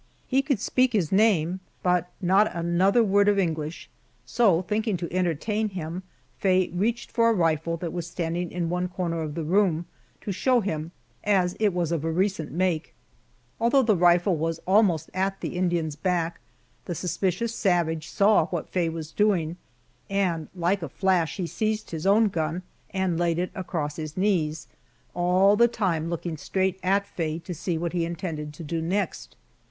He could speak his name, but not another word of English, so, thinking to entertain him, Faye reached for a rifle that was standing in one corner of the room to show him, as it was of a recent make. Although the rifle was almost at the Indian's back the suspicious savage saw what Faye was doing, and like a flash he seized his own gun and laid it across his knees, all the time looking straight at Faye to see what he intended to do next.